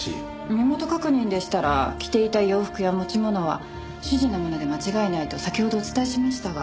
身元確認でしたら着ていた洋服や持ち物は主人のもので間違いないと先ほどお伝えしましたが。